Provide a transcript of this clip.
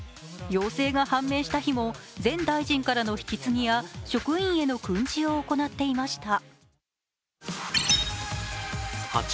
陽性が判明した日も前大臣からの引き継ぎや、職員への訓示を行っていました。